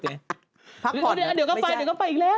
พักเดี๋ยวก็ไปเดี๋ยวก็ไปอีกแล้ว